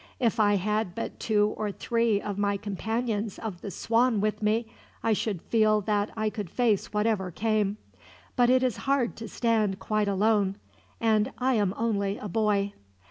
If I had but two or three of my companions of the Swan with me, I should feel that I could face whatever came; but it is hard to stand quite alone, and I am only a boy.